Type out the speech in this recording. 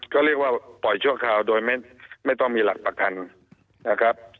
ก็เรียกว่าปล่อยชั่วคราวโดยไม่ต้องมีหลักประกันนะครับ